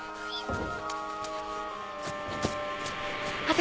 私